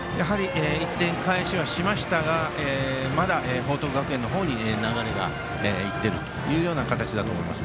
１点返しましたがまだ報徳学園の方に流れがいっているという形だと思います。